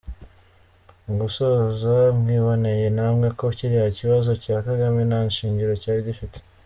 Mu gusoza, mwiboneye namwe ko kiriya kibazo cya Kagame nta shingiro cyari gifite!